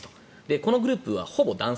このグループはほぼ男性。